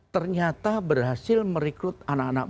ternyata berhasil merekrut anak anak muda